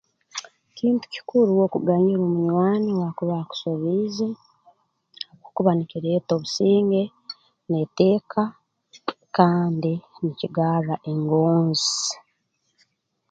Kintu kikuru okuganyira omunywani owaakuba akusobiize habwokuba nikireeta obusinge n'eteeka kandi nkigarra engonzi